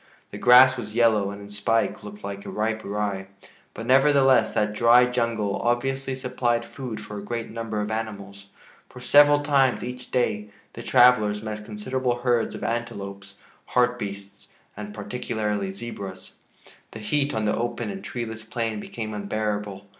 The grass was yellow and, in spike, looked like ripe rye. But, nevertheless, that dry jungle obviously supplied food for a great number of animals, for several times each day the travelers met considerable herds of antelopes, hartbeests, and particularly zebras. The heat on the open and treeless plain became unbearable.